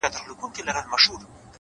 • په یو نظر کي مي د سترگو په لړم نیسې ـ